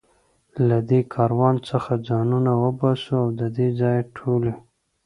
له دې کاروان څخه ځانونه وباسو، د دې ځای ټولې.